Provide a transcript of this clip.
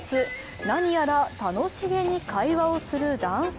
何やら楽しげに会話をする男性。